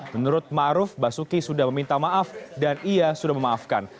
menurut ⁇ maruf ⁇ basuki sudah meminta maaf dan ia sudah memaafkan